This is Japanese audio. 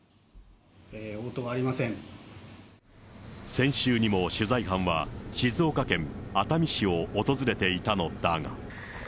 先週にも取材班は、静岡県熱海市を訪れていたのだが。